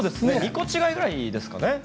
２個違いぐらいですかね。